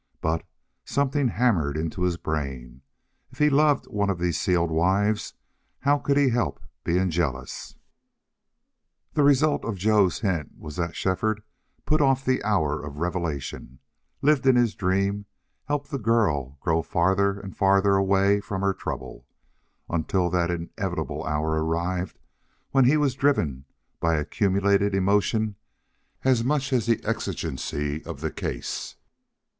But, something hammered into his brain, if he loved one of these sealed wives, how could he help being jealous? The result of Joe's hint was that Shefford put off the hour of revelation, lived in his dream, helped the girl grow farther and farther away from her trouble, until that inevitable hour arrived when he was driven by accumulated emotion as much as the exigency of the case.